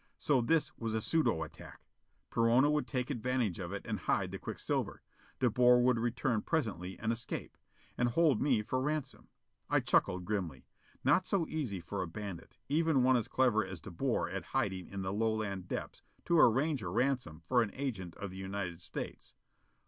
So this was a pseudo attack! Perona would take advantage of it and hide the quicksilver. De Boer would return presently and escape. And hold me for ransom. I chuckled grimly. Not so easy for a bandit, even one as clever as De Boer at hiding in the Lowland depths to arrange a ransom for an agent of the United States.